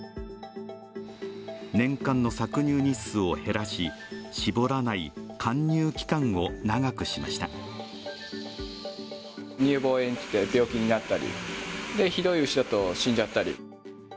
年間の搾乳日数を減らし、搾らない乾乳期間を長くしました。